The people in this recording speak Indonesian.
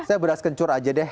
saya beras kencur aja deh